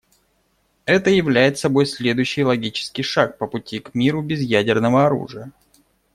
Это являет собой следующий логический шаг по пути к миру без ядерного оружия.